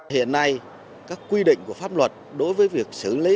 hiện nay các quy định của pháp luật đối với việc xử lý